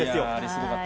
すごかった。